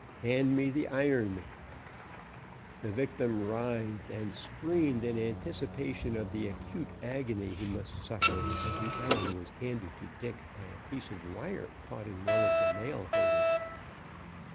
Hand me the iron!" The victim writhed and screamed in anticipation of the acute agony he must suffer, as the iron was handed to Dick by a piece of wire caught in one of the nail holes.